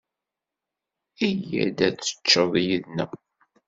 Iyya ad teččeḍ yid-neɣ.